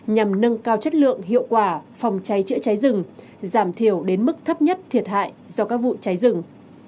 nhằm nâng cao chất lượng hiệu quả phòng cháy chữa cháy rừng giảm thiểu đến mức thấp nhất thiệt hại do các vụ cháy rừng